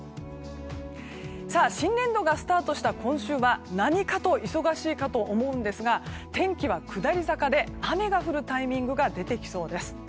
新年度がスタートした今週は何かと忙しいかと思うんですが天気は下り坂で雨が降るタイミングが出てきそうです。